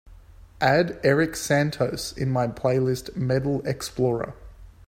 add erik santos in my playlist Metal Xplorer